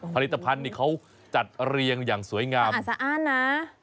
ผลิตภัณฑ์นี่เขาจัดเรียงอย่างสวยงามสะอ้านนะ